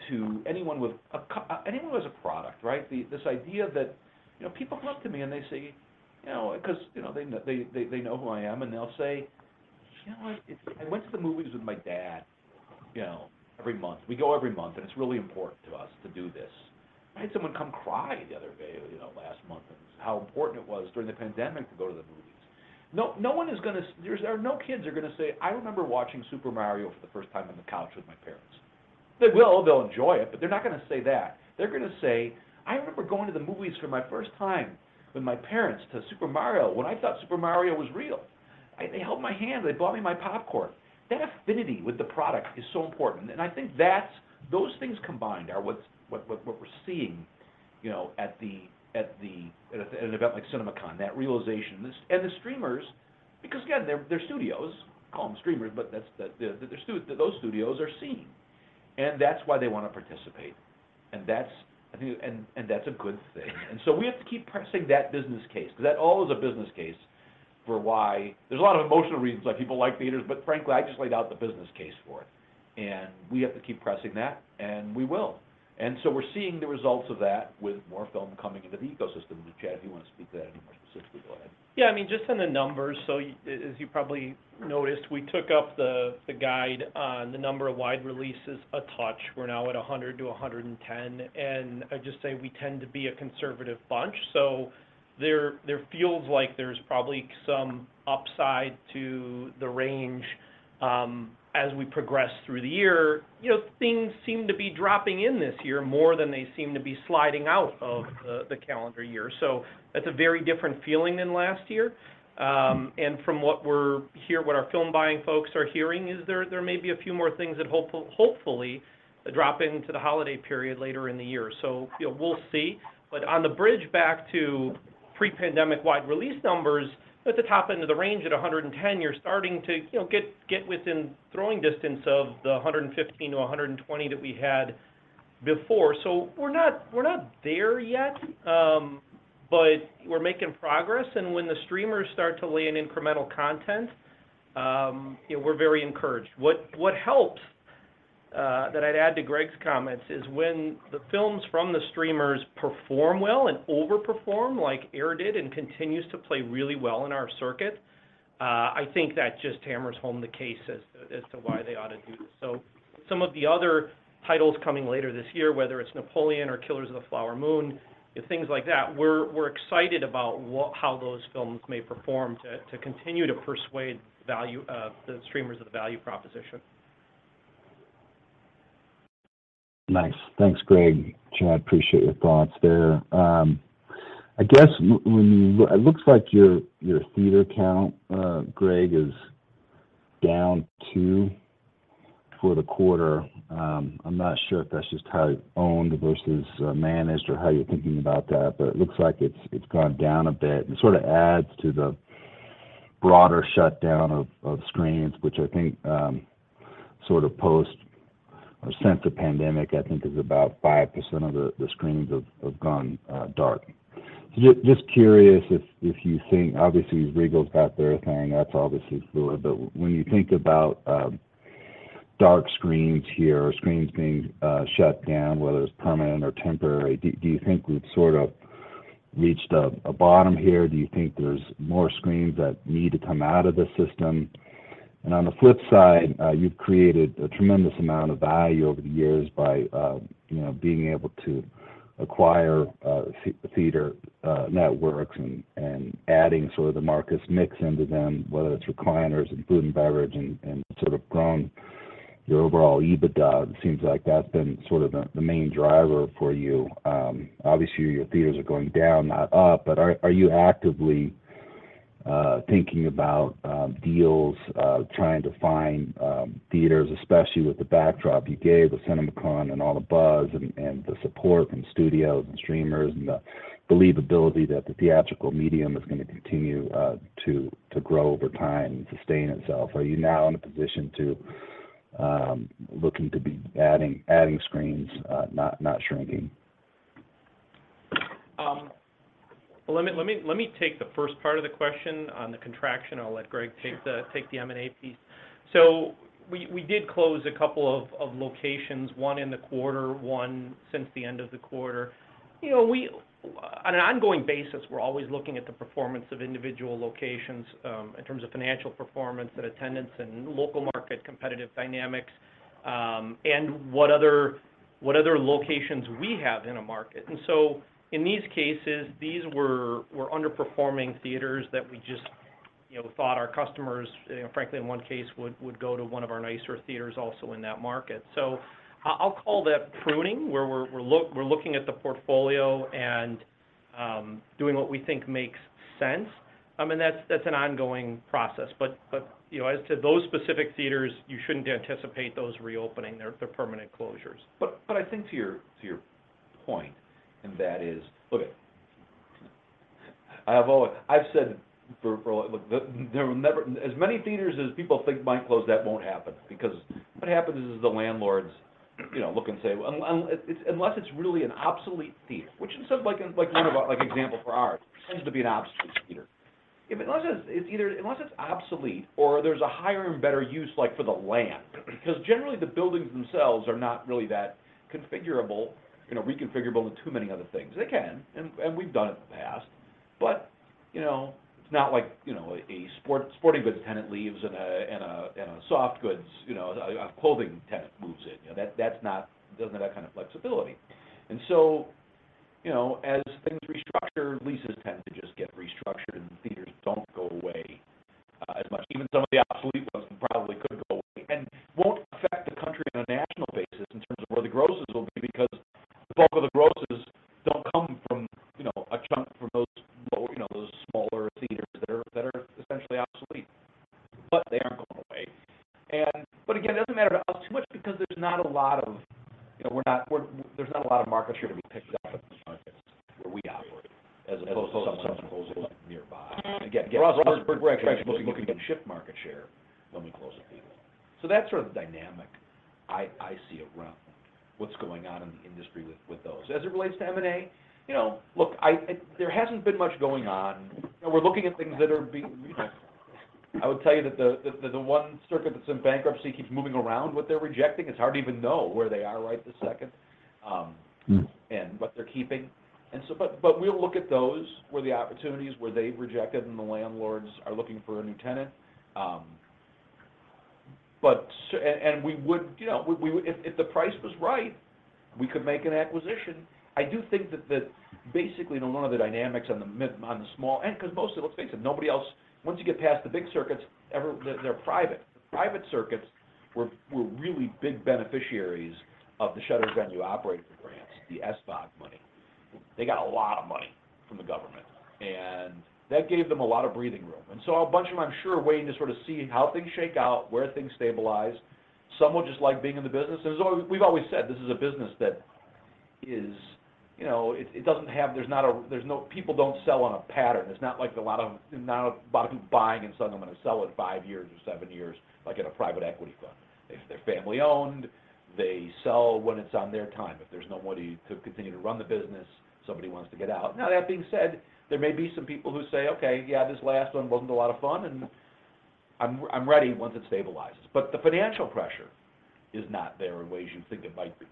to anyone with a product, right? This idea that, you know, people come up to me, and they say, you know, 'cause, you know, they know who I am, and they'll say, "You know what? I went to the movies with my dad, you know, every month. We go every month, and it's really important to us to do this." I had someone come cry the other day, you know, last month, and how important it was during the pandemic to go to the movies. No, no one is gonna say, or no kids are gonna say, "I remember watching Super Mario for the first time on the couch with my parents." They will. They'll enjoy it, they're not gonna say that. They're gonna say, "I remember going to the movies for my first time with my parents to Super Mario when I thought Super Mario was real, they held my hand, they bought me my popcorn." That affinity with the product is so important, I think those things combined are what we're seeing, you know, at an event like CinemaCon, that realization. The streamers, because again, they're studios. Call them streamers, that's the those studios are seeing. That's why they wanna participate, and that's a good thing. We have to keep pressing that business case, 'cause that all is a business case for why. There's a lot of emotional reasons why people like theaters. Frankly, I just laid out the business case for it, and we have to keep pressing that, and we will. We're seeing the results of that with more film coming into the ecosystem. Chad, if you wanna speak to that any more specifically, go ahead. Yeah, I mean, just on the numbers, as you probably noticed, we took up the guide on the number of wide releases a touch. We're now at 100 to 110. I'd just say we tend to be a conservative bunch, so there feels like there's probably some upside to the range as we progress through the year. You know, things seem to be dropping in this year more than they seem to be sliding out of the calendar year. That's a very different feeling than last year. From what our film buying folks are hearing is there may be a few more things that hopefully drop into the holiday period later in the year. You know, we'll see. On the bridge back to pre-pandemic wide release numbers, at the top end of the range at 110, you're starting to, you know, get within throwing distance of the 115-120 that we had before. We're not there yet, but we're making progress, and when the streamers start to lay in incremental content, you know, we're very encouraged. What helps that I'd add to Greg's comments, is when the films from the streamers perform well and overperform, like Air did and continues to play really well in our circuit, I think that just hammers home the case as to why they ought to do this. Some of the other titles coming later this year, whether it's Napoleon or Killers of the Flower Moon, you know, things like that, we're excited about how those films may perform to continue to persuade value, the streamers of the value proposition. Nice. Thanks, Greg. Chad, appreciate your thoughts there. I guess when you it looks like your theater count, Greg, is down two for the quarter. I'm not sure if that's just how you've owned versus managed or how you're thinking about that, but it looks like it's gone down a bit and sort of adds to. Broader shutdown of screens, which I think, sort of post or since the pandemic, I think is about 5% of the screenings have gone dark. Just curious if you think, obviously Regal's got their thing, that's obviously fluid. When you think about dark screens here or screens being shut down, whether it's permanent or temporary, do you think we've sort of reached a bottom here? Do you think there's more screens that need to come out of the system? On the flip side, you've created a tremendous amount of value over the years by, you know, being able to acquire the theater networks and adding sort of the Marcus mix into them, whether it's recliners and food and beverage and sort of grown your overall EBITDA. It seems like that's been sort of the main driver for you. Obviously your theaters are going down, not up, but are you actively thinking about deals, trying to find theaters, especially with the backdrop you gave with CinemaCon and all the buzz and the support from studios and streamers and the believability that the theatrical medium is gonna continue to grow over time and sustain itself? Are you now in a position to looking to be adding screens, not shrinking? Let me take the first part of the question on the contraction. I'll let Greg take the M&A piece. We did close a couple of locations, one in the quarter, one since the end of the quarter. You know, on an ongoing basis, we're always looking at the performance of individual locations, in terms of financial performance and attendance and local market competitive dynamics, and what other locations we have in a market. In these cases, these were underperforming theaters that we just, you know, thought our customers, you know, frankly, in one case, would go to one of our nicer theaters also in that market. I'll call that pruning, where we're looking at the portfolio and doing what we think makes sense. That's an ongoing process. You know, as to those specific theaters, you shouldn't anticipate those reopening. They're permanent closures. I think to your point, and that is. I've said for a long. There were never. As many theaters as people think might close, that won't happen because what happens is the landlords, you know, look and say, unless it's really an obsolete theater, which in some, like in, like one of our, like example for ours, tends to be an obsolete theater. Unless it's either, unless it's obsolete or there's a higher and better use like for the land, because generally the buildings themselves are not really that configurable, you know, reconfigurable into too many other things. They can, and we've done it in the past, but, you know, it's not like, you know, a sporting goods tenant leaves and a soft goods, you know, a clothing tenant moves in. You know, that's not, doesn't have that kind of flexibility. You know, as things restructure, leases tend to just get restructured and theaters don't go away, as much. Even some of the obsolete ones probably could And we would, you know, if the price was right, we could make an acquisition. I do think that basically in a lot of the dynamics on the small end, because most of them, let's face it, nobody else, once you get past the big circuits, ever, they're private. Private circuits were really big beneficiaries of the Shuttered Venue Operators Grant, the SVOG money. They got a lot of money from the government, and that gave them a lot of breathing room. A bunch of them, I'm sure, are waiting to sort of see how things shake out, where things stabilize. Some will just like being in the business. There's always we've always said this is a business that is, you know, it doesn't have, there's not a, there's no, people don't sell on a pattern. It's not like a lot of people buying and suddenly going to sell in five years or seven years, like in a private equity fund. If they're family-owned, they sell when it's on their time. If there's nobody to continue to run the business, somebody wants to get out. That being said, there may be some people who say, "Okay, yeah, this last one wasn't a lot of fun, and I'm ready once it stabilizes." The financial pressure is not there in ways you think it might be.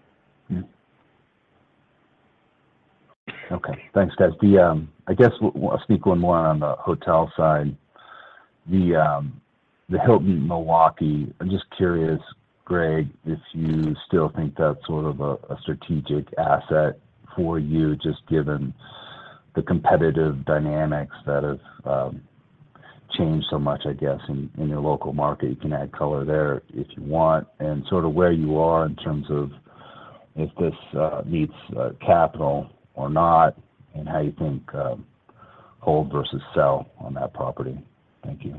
Okay. Thanks, guys. The, I guess I'll sneak one more on the hotel side. The Hilton Milwaukee, I'm just curious, Greg, if you still think that's sort of a strategic asset for you, just given the competitive dynamics that have changed so much, I guess, in your local market. You can add color there if you want, and sort of where you are in terms of if this needs capital or not and how you think hold versus sell on that property. Thank you.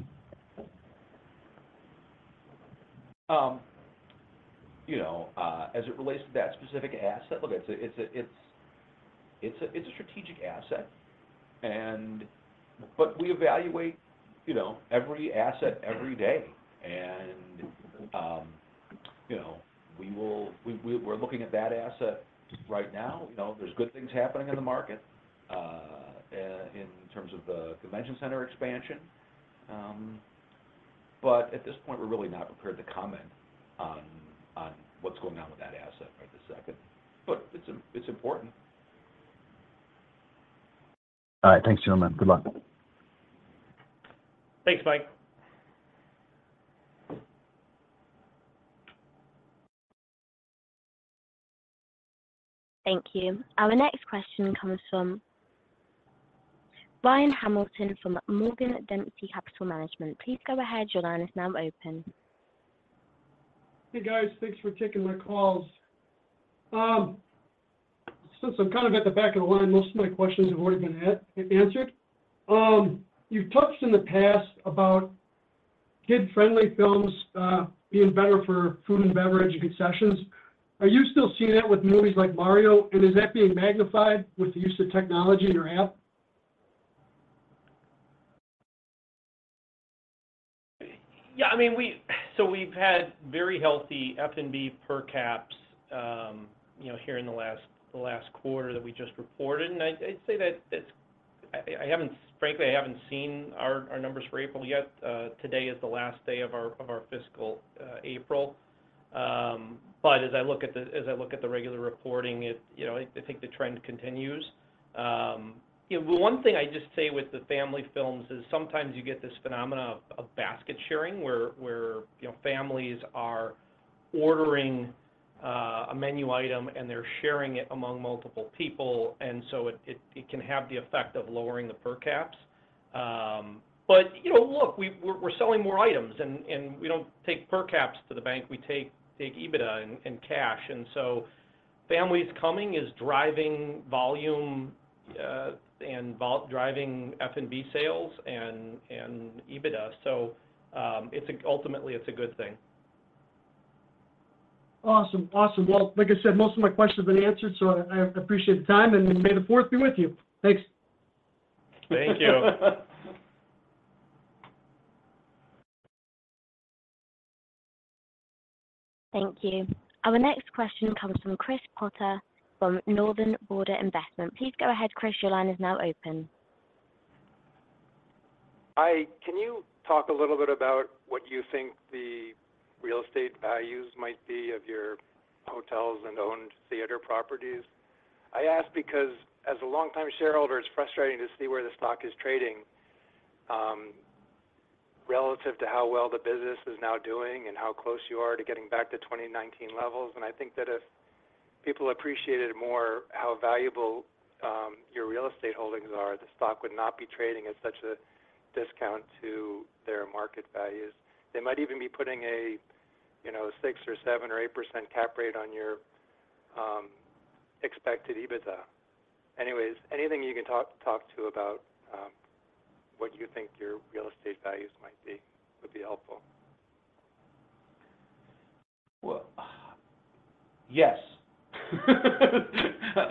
You know, as it relates to that specific asset, look, it's a strategic asset. We evaluate, you know, every asset every day, and, you know, we're looking at that asset right now. You know, there's good things happening in the market, in terms of the convention center expansion. At this point, we're really not prepared to comment on what's going on with that asset right this second. It's important. All right. Thanks, gentlemen. Good luck. Thanks, Mike. Thank you. Our next question comes from Ryan Hamilton from Morgan Dempsey Capital Management. Please go ahead. Your line is now open. Hey, guys. Thanks for taking my calls. Since I'm kind of at the back of the line, most of my questions have already been answered. You've touched in the past about kid-friendly films, being better for food and beverage concessions. Are you still seeing that with movies like Mario, and is that being magnified with the use of technology in your app? I mean, we've had very healthy F&B per caps, you know, here in the last quarter that we just reported. I'd say that it's. I haven't frankly, I haven't seen our numbers for April yet. Today is the last day of our fiscal April. As I look at the regular reporting, it. You know, I think the trend continues. You know, one thing I'd just say with the family films is sometimes you get this phenomena of basket sharing, where, you know, families are ordering a menu item, and they're sharing it among multiple people, and so it can have the effect of lowering the per caps. You know, look, we're selling more items and we don't take per caps to the bank. We take EBITDA and cash. Families coming is driving volume, driving F&B sales and EBITDA. Ultimately, it's a good thing. Awesome. Awesome. Well, like I said, most of my questions have been answered, so I appreciate the time, and may the fourth be with you. Thanks. Thank you. Thank you. Our next question comes from Chris Potter from Northern Border Investment. Please go ahead, Chris. Your line is now open. Hi. Can you talk a little bit about what you think the real estate values might be of your hotels and owned theater properties? I ask because as a longtime shareholder, it's frustrating to see where the stock is trading relative to how well the business is now doing and how close you are to getting back to 2019 levels. I think that if people appreciated more how valuable your real estate holdings are, the stock would not be trading at such a discount to their market values. They might even be putting a, you know, 6% or 7% or 8% cap rate on your expected EBITDA. Anyways, anything you can talk to about what you think your real estate values might be would be helpful. Well, yes.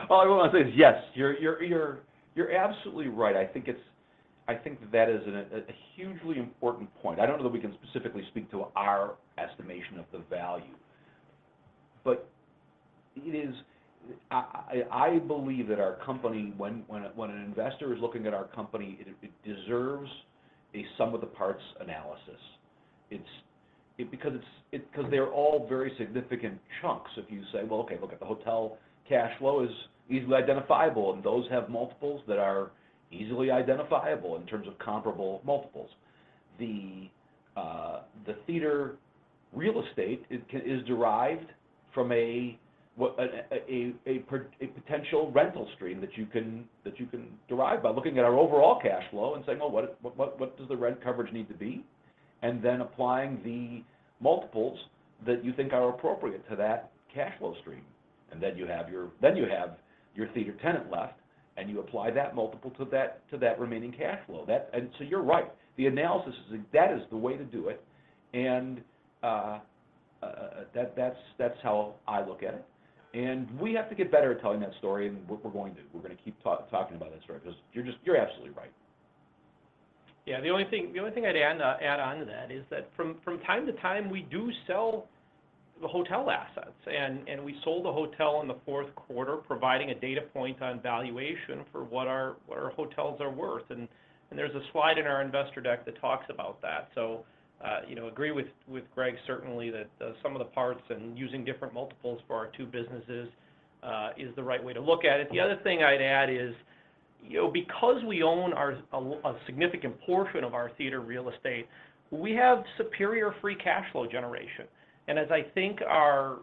All I wanna say is yes. You're absolutely right. I think that is a hugely important point. I don't know that we can specifically speak to our estimation of the value. It is. I believe that our company, when an investor is looking at our company, it deserves a sum of the parts analysis. It's. They're all very significant chunks. If you say, "Well, okay, look at the hotel cash flow is easily identifiable," and those have multiples that are easily identifiable in terms of comparable multiples. The theater real estate is derived from a potential rental stream that you can derive by looking at our overall cash flow and saying, "Well, what does the rent coverage need to be?" Then applying the multiples that you think are appropriate to that cash flow stream. Then you have your theater tenant left, and you apply that multiple to that remaining cash flow. That. So you're right. The analysis is. That is the way to do it. That's how I look at it. We have to get better at telling that story, and we're going to. We're gonna keep talking about that story, 'cause you're absolutely right. Yeah. The only thing I'd add on to that is that from time to time, we do sell the hotel assets, and we sold a hotel in the Q4, providing a data point on valuation for what our hotels are worth. There's a slide in our investor deck that talks about that. You know, agree with Greg certainly that the sum of the parts and using different multiples for our two businesses, is the right way to look at it. The other thing I'd add is, you know, because we own our a significant portion of our theater real estate, we have superior free cash flow generation. As I think our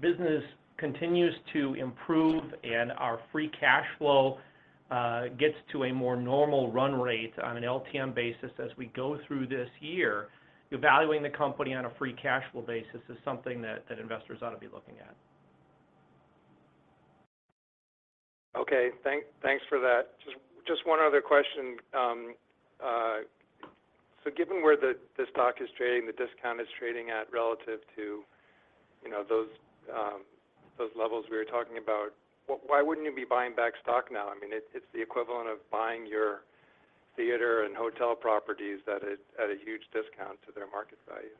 business continues to improve and our free cash flow, gets to a more normal run rate on an LTM basis as we go through this year, evaluating the company on a free cash flow basis is something that investors ought to be looking at. Okay. Thanks for that. Just one other question. Given where the stock is trading, the discount is trading at relative to, you know, those levels we were talking about, why wouldn't you be buying back stock now? I mean, it's the equivalent of buying your theater and hotel properties at a huge discount to their market value.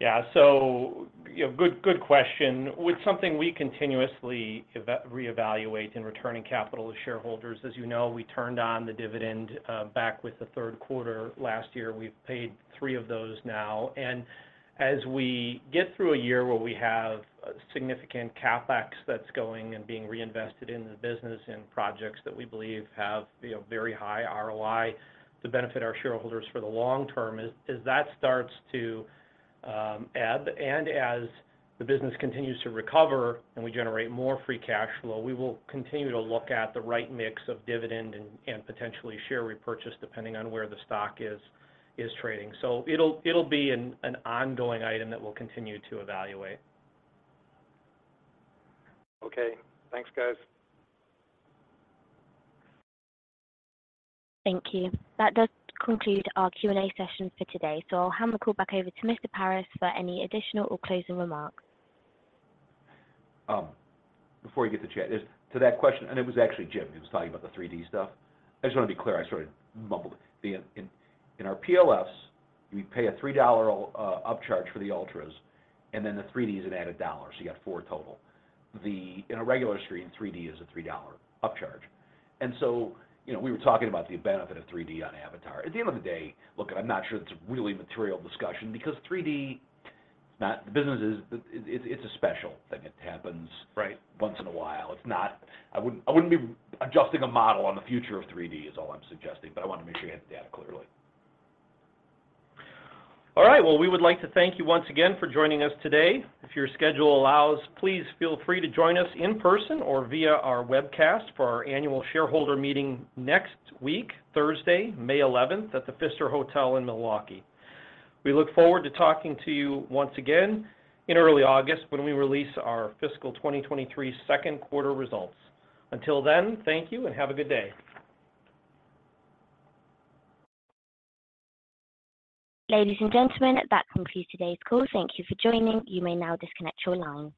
Yeah. you know, good question. With something we continuously reevaluate in returning capital to shareholders, as you know, we turned on the dividend back with the Q3 last year. We've paid three of those now. As we get through a year where we have significant CapEx that's going and being reinvested in the business and projects that we believe have, you know, very high ROI to benefit our shareholders for the long term, as that starts to ebb and as the business continues to recover and we generate more free cash flow, we will continue to look at the right mix of dividend and potentially share repurchase depending on where the stock is trading. It'll be an ongoing item that we'll continue to evaluate. Okay. Thanks, guys. Thank you. That does conclude our Q&A session for today. I'll hand the call back over to Mr. Paris for any additional or closing remarks. Before we get to that, to that question, it was actually James who was talking about the 3D stuff. I just wanna be clear, I sort of mumbled. In our PLFs, we pay a $3 upcharge for the ultras, the 3D is an added $1, so you got 4 total. In a regular screen, 3D is a $3 upcharge. You know, we were talking about the benefit of 3D on Avatar. At the end of the day, look, I'm not sure that's really material discussion because 3D, it's not. The business is, it's a special thing. It happens- Right. Once in a while. I wouldn't be adjusting a model on the future of 3D is all I'm suggesting, but I wanna make sure you have the data clearly. All right. Well, we would like to thank you once again for joining us today. If your schedule allows, please feel free to join us in person or via our webcast for our annual shareholder meeting next week, Thursday, May 11th, at The Pfister Hotel in Milwaukee. We look forward to talking to you once again in early August when we release our fiscal 2023 Q2 results. Until then, thank you and have a good day. Ladies and gentlemen, that concludes today's call. Thank you for joining. You may now disconnect your line.